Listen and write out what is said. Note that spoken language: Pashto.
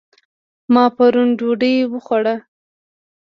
ما پرون ډوډۍ وخوړه